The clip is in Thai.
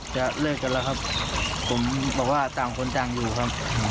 จะเลิกกันแล้วครับผมบอกว่าต่างคนต่างอยู่ครับ